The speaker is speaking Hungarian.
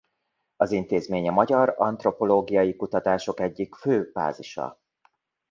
Az intézmény a magyar antropológiai kutatások egyik fő bázisa.